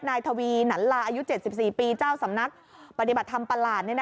ทวีหนันลาอายุ๗๔ปีเจ้าสำนักปฏิบัติธรรมประหลาด